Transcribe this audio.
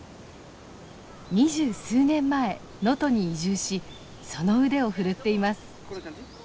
二十数年前能登に移住しその腕を振るっています。